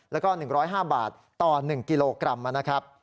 แล้วก็๑๐๕บาทต่อ๑กิโลกรัมนะครับ